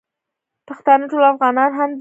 پښتانه ټول افغانان هم دي.